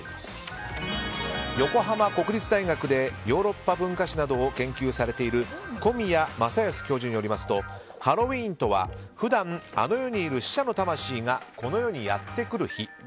横浜国立大学でヨーロッパ文化史などを研究されている小宮正安教授によりますとハロウィーンとは普段あの世にいる死者の魂がこの世にやってくる日。